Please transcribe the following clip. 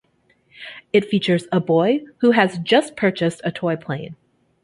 It features a boy who has just purchased a toy plane.